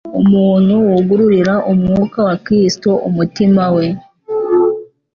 Umuntu wugururira Umwuka wa Kristo umutima we,